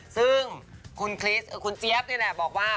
ซึ่งคุณคริสคุณเจี๊ยบนี่แหละบอกว่า